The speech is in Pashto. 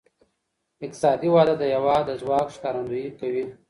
اقتصادي وده د هېواد د ځواک ښکارندویي کوي.